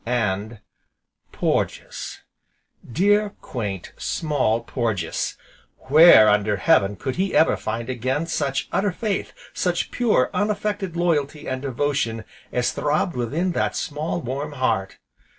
And Porges! dear, quaint, Small Porges! where under heaven could he ever find again such utter faith, such pure unaffected loyalty and devotion as throbbed within that small, warm heart?